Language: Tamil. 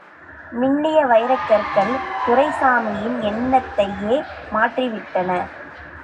மின்னிய வைரக் கற்கள், துரைசாமியின் எண்ணத்தையே மாற்றிவிட்டன.